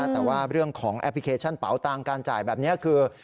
แต่ว่าเรื่องของแอปพลิเคชันเป๋าตังค์การจ่ายแบบนี้คือ